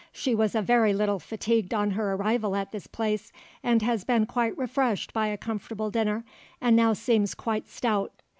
She was a very little fatigued on her arrival at this place, has been quite refreshed by a comfortable dinner, and now seems quite stout.